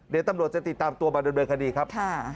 เดี๋ยวตำรวจจะติดตามตัวบรรณบริเวณคดีครับ